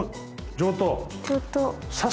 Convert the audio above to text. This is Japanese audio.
上等。